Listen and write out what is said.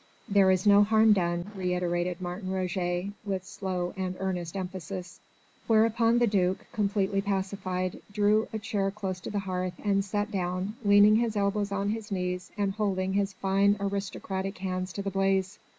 "There is no harm done," reiterated Martin Roget with slow and earnest emphasis. Whereupon the Duke, completely pacified, drew a chair close to the hearth and sat down, leaning his elbows on his knees and holding his fine, aristocratic hands to the blaze.